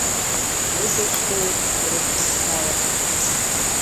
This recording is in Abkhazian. Уи дықәгылеит урыс бызшәала.